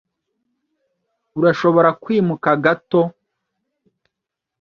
Urashobora kwimuka gato?